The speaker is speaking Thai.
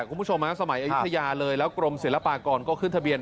คุณผู้ชมสมัยอายุทยาเลยแล้วกรมศิลปากรก็ขึ้นทะเบียน